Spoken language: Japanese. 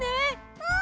うん！